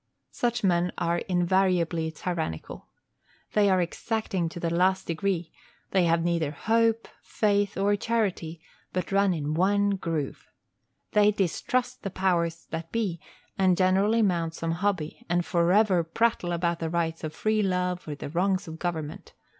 Such men are invariably tyrannical. They are exacting to the last degree; they have neither faith, hope, nor charity, but run in one groove. They distrust the powers that be, and generally mount some hobby, and forever prattle about the rights of free love or the wrongs of government.